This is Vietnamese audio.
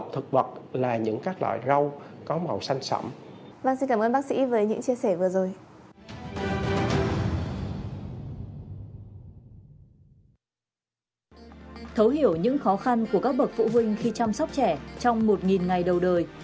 thấu hiểu những khó khăn của các bậc phụ huynh khi chăm sóc trẻ trong một ngày đầu đời